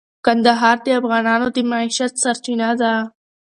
کندهار د افغانانو د معیشت سرچینه ده.